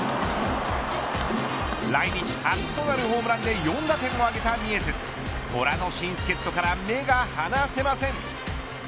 来日初となるホームランで４打点を挙げたミエセス虎の新助っ人から目が離せません。